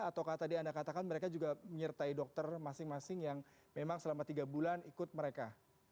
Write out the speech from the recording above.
atau tadi anda katakan mereka juga menyertai dokter masing masing yang memang selama tiga bulan ikut mereka